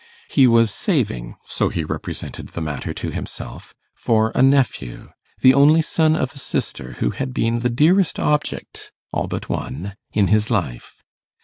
He was saving so he represented the matter to himself for a nephew, the only son of a sister who had been the dearest object, all but one, in his life.